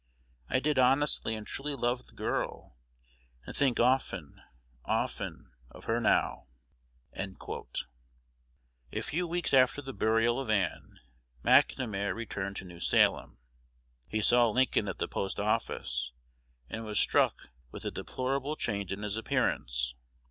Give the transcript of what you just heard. I did honestly and truly love the girl, and think often, often, of her now.'" A few weeks after the burial of Ann, McNamar returned to New Salem. He saw Lincoln at the post office, and was struck with the deplorable change in his appearance.